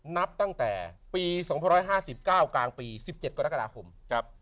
นับตั้งแต่ปี๒๕๕๙กลางปี๑๗กศ